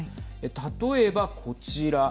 例えば、こちら。